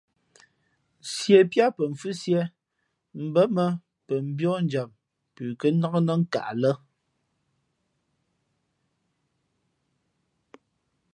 Sīē píá pαmfhʉ́síé mbᾱ mά pαmbíάnjam pʉ kά nák nά nkaʼ lά.